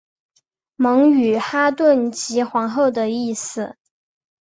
蒙语哈屯即皇后的意思。